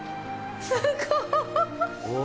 すごーい！